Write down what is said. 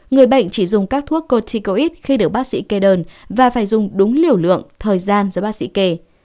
người bệnh chỉ dùng các thuốc corticoid khi được bác sĩ kê đơn và phải dùng đúng liều lượng thời gian do bác sĩ kê